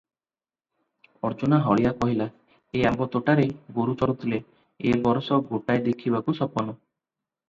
"ଅର୍ଜ୍ଜୁନା ହଳିଆ କହିଲା, "ଏହି ଆମ୍ବ ତୋଟାରେ ଗୋରୁ ଚରୁଥିଲେ, ଏ ବରଷ ଗୋଟାଏ ଦେଖିବାକୁ ସପନ ।